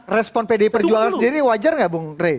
respon pdi perjuangan sendiri wajar nggak